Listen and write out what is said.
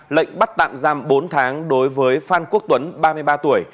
lệnh bắt tạm giam bốn tháng đối với phan quốc tuấn ba mươi ba tuổi